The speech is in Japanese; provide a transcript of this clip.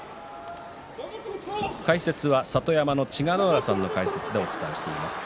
解説は里山の千賀ノ浦さんの解説でお伝えしています。